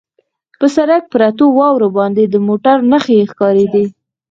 پر سړک پرتو واورو باندې د موټرو نښې ښکارېدې.